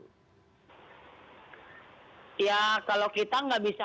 ada upaya upaya lain bu misalnya untuk mengantarkan ojek tapi tidak menggunakan aplikasi begitu